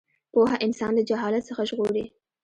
پوهه انسان له جهالت څخه ژغوري.